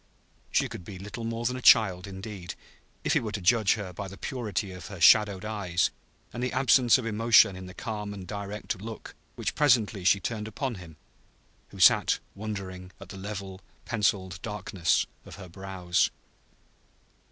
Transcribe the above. She could be little more than a child, indeed, if he were to judge her by the purity of her shadowed eyes and the absence of emotion in the calm and direct look which presently she turned upon him who sat wondering at the level, penciled darkness of her brows.